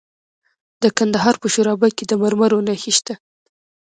د کندهار په شورابک کې د مرمرو نښې شته.